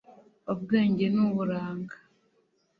ubwenge nuburanga